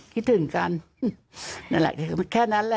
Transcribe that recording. คิดถึงกันนั่นแหละเฑียบแค่นั้นสิ